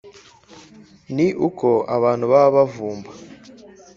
Ni uko abantu baba bavumba